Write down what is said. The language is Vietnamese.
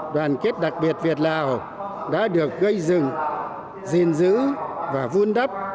đoàn kết đặc biệt việt lào đã được gây dựng gìn giữ và vun đắp